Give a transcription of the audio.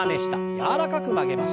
柔らかく曲げましょう。